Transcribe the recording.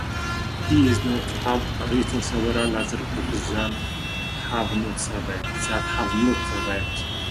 He is known to have written several other books that have not survived.